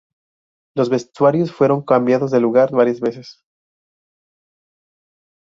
Los vestuarios fueron cambiados de lugar varias veces.